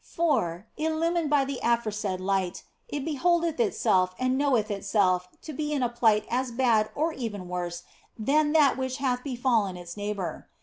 For, illumined by the aforesaid light, it beholdeth itself and knoweth itself to be in a plight as bad or even worse than that which hath befallen its neighbour.